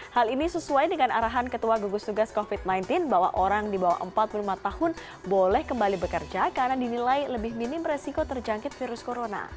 hal ini sesuai dengan arahan ketua gugus tugas covid sembilan belas bahwa orang di bawah empat puluh lima tahun boleh kembali bekerja karena dinilai lebih minim resiko terjangkit virus corona